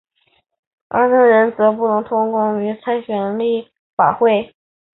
何俊仁将不能透过区议会功能组别参选立法会。